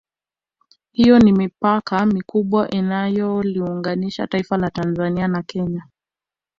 Hiyo ni mipaka mikubwa inayoliunganisha taifa la Tanzania na Kenya